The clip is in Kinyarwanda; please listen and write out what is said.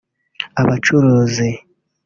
Abacuruzi